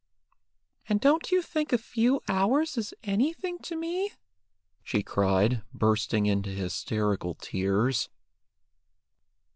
"And don't you think a few hours is anything to me?" she cried, bursting into hysterical tears.